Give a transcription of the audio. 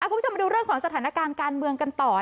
คุณผู้ชมมาดูเรื่องของสถานการณ์การเมืองกันต่อ